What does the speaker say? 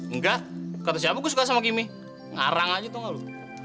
engga kata siapa gue suka sama kimi ngarang aja tau gak lo